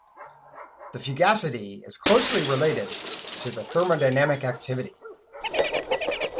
The fugacity is closely related to the thermodynamic activity.